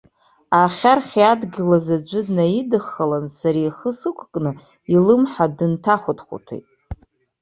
Ахьархь иадгылаз аӡәы днаидыххылан, сара ихы сықәкны, илымҳа дынҭахәыҭхәыҭит.